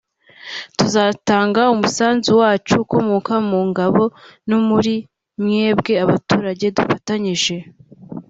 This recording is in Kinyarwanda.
tuzatanga umusanzu wacu ukomoka mu ngabo no muri mwebwe abaturage dufatanyije